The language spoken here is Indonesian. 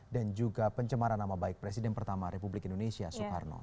dan juga pencemaran nama baik presiden pertama republik indonesia soekarno